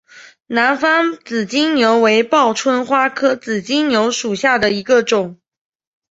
南方紫金牛为报春花科紫金牛属下的一个种。